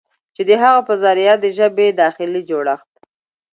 چې د هغه په ذريعه د ژبې داخلي جوړښت